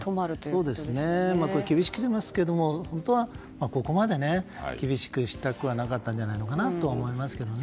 厳しくしてますけど本当はここまで厳しくしたくはなかったんじゃないかと思いますけどね。